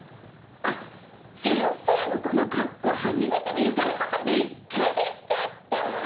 あっ先生のこの格好初めて見るからビックリしちゃってもう。